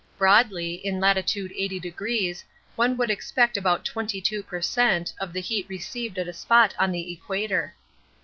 Broadly, in latitude 80° one would expect about 22 per cent, of the heat received at a spot on the equator.